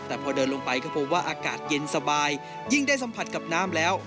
แต่พอเดินลงไปก็พบว่าอากาศเย็นสบายยิ่งได้สัมผัสกับน้ำแล้ว